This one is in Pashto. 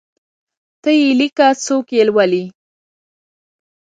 ته یی لیکه څوک یي لولﺉ